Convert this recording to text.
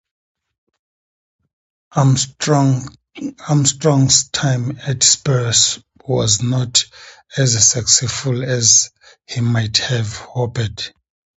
Armstrong's time at Spurs was not as successful as he might have hoped.